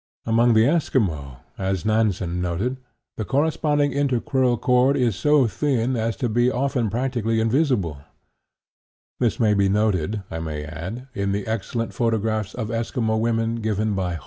Among the Eskimo, as Nansen noted, the corresponding intercrural cord is so thin as to be often practically invisible; this may be noted, I may add, in the excellent photographs of Eskimo women given by Holm.